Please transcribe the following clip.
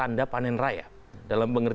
ya ini untuk finansial sebagai pekerja